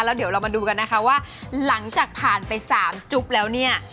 แล้วเดี๋ยวเรามาดูกันนะคะว่าหลังจากผ่านไป๓จุ๊บแล้วเนี่ย